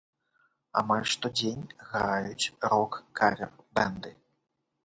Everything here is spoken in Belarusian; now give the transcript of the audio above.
Амаль штодзень граюць рок-кавер-бэнды.